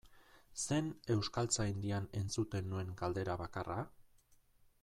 Zen Euskaltzaindian entzuten nuen galdera bakarra?